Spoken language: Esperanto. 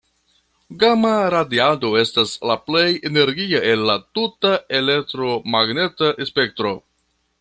Gama-radiado estas la plej energia el la tuta elektromagneta spektro.